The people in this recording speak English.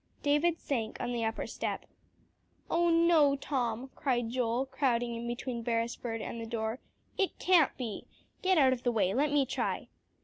David sank on the upper step. "Oh, no, Tom," cried Joel, crowding in between Beresford and the door, "it can't be. Get out of the way; let me try."